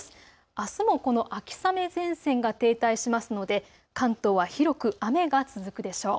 あすもこの秋雨前線が停滞しますので関東は広く雨が続くでしょう。